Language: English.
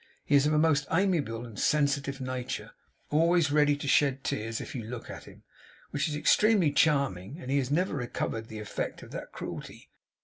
He is of a most amiable and sensitive nature, always ready to shed tears if you look at him, which is extremely charming; and he has never recovered the effect of that cruelty.